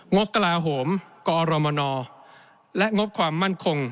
บกลาโหมกอรมนและงบความมั่นคง